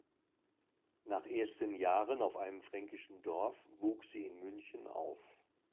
Nach ersten Jahren auf einem fränkischen Dorf wuchs sie in München auf.